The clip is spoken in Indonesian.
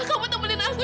kamu temenin aku